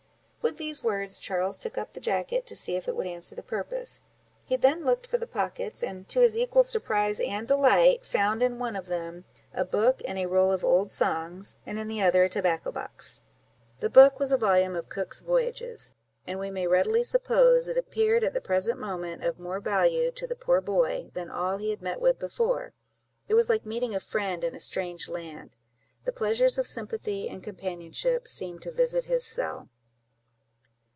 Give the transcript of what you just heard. With these words, Charles took up the jacket, to see if it would answer the purpose; he then looked for the pockets, and, to his equal surprise and delight, found, in one of them, a book, and a roll of old songs; and in the other a tobacco box. The book was a volume of Cook's voyages; and we may readily suppose it appeared at the present moment, of more value to the poor boy, than all he had met with before; it was like meeting a friend in a strange land—the pleasures of sympathy and companionship seemed to visit his cell.